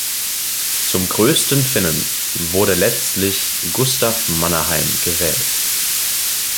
Zum „Größten Finnen“ wurde letztlich Gustaf Mannerheim gewählt.